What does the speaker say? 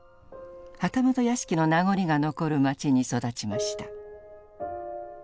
旗本屋敷の名残が残る町に育ちました。